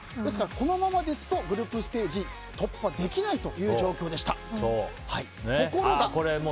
このままですとグループステージ突破できない状況でした。